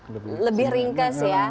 lebih ringkas ya